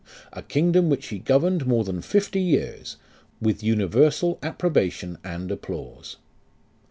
A kingdom which he governed More than fifty years, With universal approbation and applause.